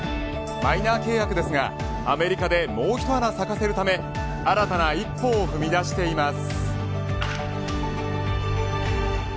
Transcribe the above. マイナー契約ですがアメリカでもう一花咲かせるため新たな一歩を踏み出しています。